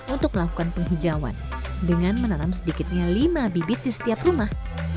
untuk melakukan penghijauan dengan menanam sedikitnya lima bibit di setiap rumah